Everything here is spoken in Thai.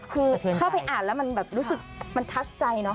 คือเข้าไปอ่านแล้วมันแบบรู้สึกมันทัชใจเนาะ